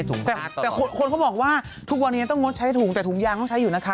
แต่คนเขาบอกว่าทุกวันนี้ต้องงดใช้ถุงแต่ถุงยางต้องใช้อยู่นะคะ